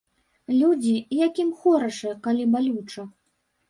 Людзі, якім хораша, калі балюча.